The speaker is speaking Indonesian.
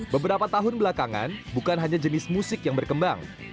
beberapa tahun belakangan bukan hanya jenis musik yang berkembang